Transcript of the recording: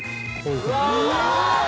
うわ！